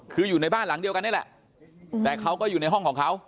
คืออยู่ในบ้านหลังเดียวกันนี่แหละแต่เขาก็อยู่ในห้องของเขา